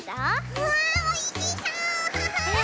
うわおいしそう！